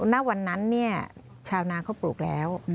นับวันนั้นชาวนาเขาปลูกแล้ว